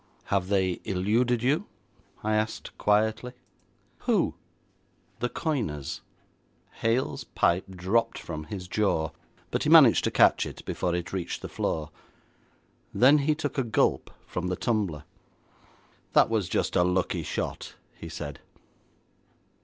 'Have they eluded you?' I asked quietly. 'Who?' 'The coiners.' Hale's pipe dropped from his jaw, but he managed to catch it before it reached the floor. Then he took a gulp from the tumbler. 'That was just a lucky shot,' he said.